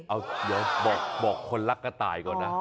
เอาเดี๋ยวบอกคนรักกระต่ายก่อนนะ